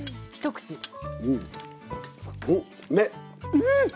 うん！